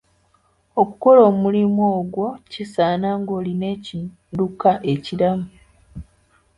Okukola omulimu ogwo kisaana ng'olina ekidduka ekiramu.